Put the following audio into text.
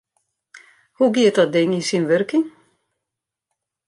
Hoe giet dat ding yn syn wurking?